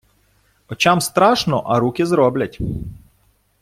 Очам страшно, а руки зроблять.